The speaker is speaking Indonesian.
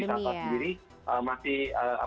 karena pandemi ya